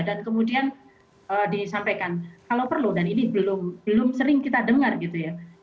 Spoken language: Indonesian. dan kemudian disampaikan kalau perlu dan ini belum sering kita dengar gitu ya